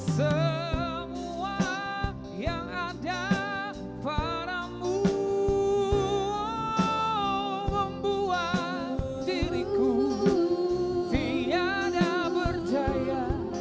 semua yang ada padamu membuat diriku tiada berdaya